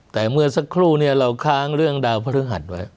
แต่เมื่อสักครู่เนี่ยเราค้างเรื่องดาวพระฤหัสไว้